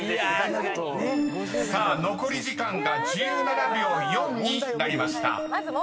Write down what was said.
［さあ残り時間が１７秒４になりました］